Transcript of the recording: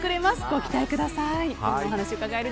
ご期待ください。